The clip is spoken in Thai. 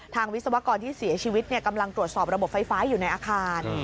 วิศวกรที่เสียชีวิตกำลังตรวจสอบระบบไฟฟ้าอยู่ในอาคาร